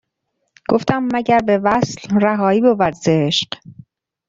گفتم مگر به وصل رهایی بود ز عشق